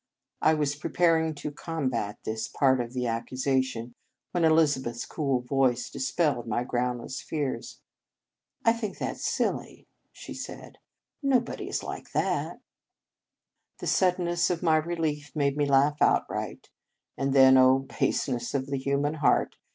I was preparing to combat this part of the accusation whenElizabeth s cool voice dispelled my groundless fears. "I think that s silly," she said. " Nobody is like that." The suddenness of my relief made me laugh outright, and then, Oh, baseness of the human heart!